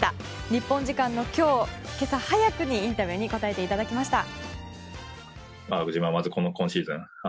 日本時間の今日、今朝早くにインタビューに答えていただきました。